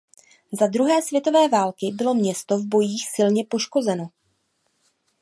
Za druhé světové války bylo město v bojích silně poškozeno.